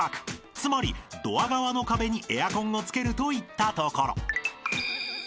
［つまりドア側の壁にエアコンを付けるといったところ］